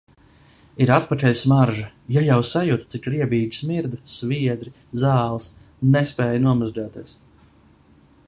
Ir atpakaļ smarža! Ja jau sajutu, cik riebīgi smirdu - sviedri, zāles, nespēja nomazgāties...